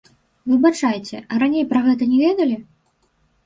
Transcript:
Выбачайце, а раней пра гэта не ведалі?